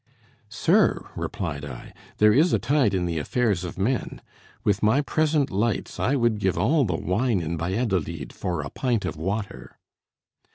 "Sir," replied I, "there is a tide in the affairs of men; with my present lights I would give all the wine in Valladolid for a pint of water."